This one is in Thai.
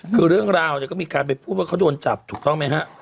คือเรื่องราวเนี่ยก็มีการไปพูดว่าเขาโดนจับถูกต้องไหมฮะ